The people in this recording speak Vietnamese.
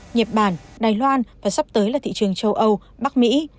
nhật bản đài loan và sắp tới là thị trường châu âu bắc mỹ